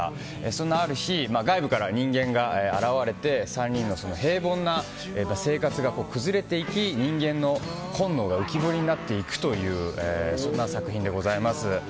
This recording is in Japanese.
そんなある日外部から人間が現れて３人の平凡な生活が崩れていき人間の本能が浮き彫りになっていくというそんな作品でございます。